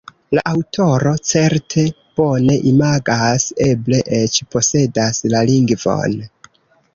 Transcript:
La aŭtoro certe bone imagas, eble eĉ posedas la lingvon.